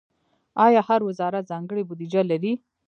آیا هر وزارت ځانګړې بودیجه لري؟